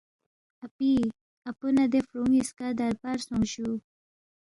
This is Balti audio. اپی، اپو نہ دے فُرو نِ٘یسکا دربار سونگس جُو